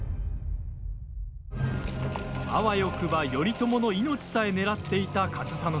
あわよくば頼朝の命さえ狙っていた上総介。